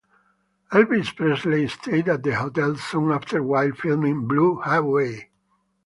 Elvis Presley stayed at the hotel soon after while filming "Blue Hawaii".